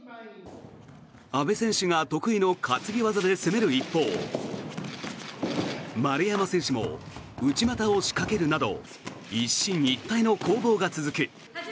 阿部選手が得意の担ぎ技で攻める一方丸山選手も内股を仕掛けるなど一進一退の攻防が続く。